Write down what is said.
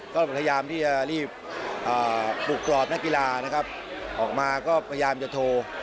ก็พยายามที่จะรีบปลุกกรอบนักกีฬานะครับออกมาก็พยายามจะโทร